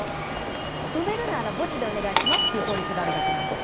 埋めるなら墓地でお願いしますという法律があるだけなんです。